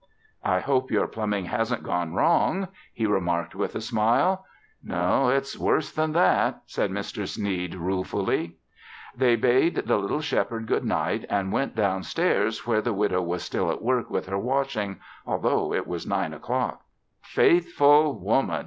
"I hope your plumbing hasn't gone wrong," he remarked with a smile. "No, it's worse than that," said Mr. Sneed ruefully. They bade the little Shepherd good night and went down stairs where the widow was still at work with her washing, although it was nine o'clock. "Faithful woman!"